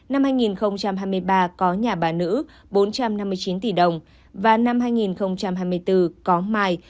năm hai nghìn hai mươi ba có nhà bà nữ bốn trăm năm mươi chín tỷ đồng và năm hai nghìn hai mươi bốn có mai